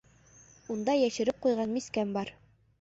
Унда йәшереп ҡуйған мискәм бар.